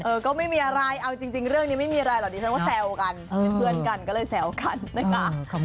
ก็ไม่มีอะไรเอาจริงเรื่องนี้ไม่มีอะไรหรอกดิฉันก็แซวกันเป็นเพื่อนกันก็เลยแซวกันนะคะ